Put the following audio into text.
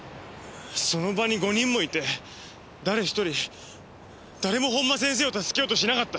その場に５人もいて誰ひとり誰も本間先生を助けようとしなかった！